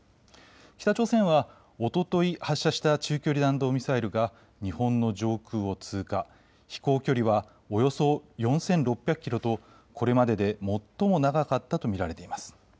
北朝鮮はおととい発射した中距離弾道ミサイルが日本の上空を通過、飛行距離はおよそ４６００キロとこれまでで最も長かったと見られています。